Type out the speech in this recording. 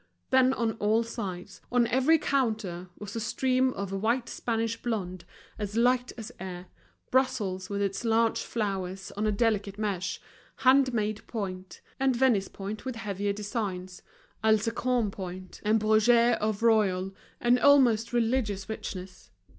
Then on all sides, on every counter, was a stream of white Spanish blonde as light as air, Brussels with its large flowers on a delicate mesh, hand made point, and Venice point with heavier designs, Alençon point, and Bruges of royal and almost religious richness.